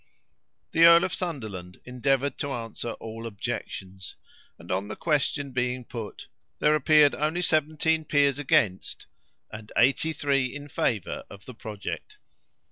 The Earl of Sunderland endeavoured to answer all objections; and on the question being put, there appeared only seventeen peers against, and eighty three in favour of the project.